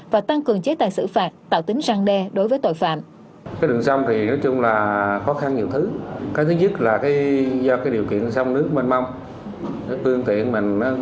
và tăng cường chế tài xử phạt tạo tính răng đe đối với tội phạm